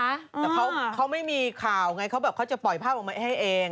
แต่เขาไม่มีข่าวไงเขาแบบเขาจะปล่อยภาพออกมาให้เอง